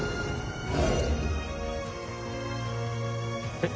えっ？